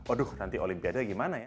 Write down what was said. aduh nanti olimpiade gimana ya